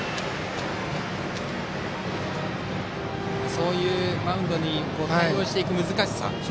そういうマウンドに対応していくという難しさが。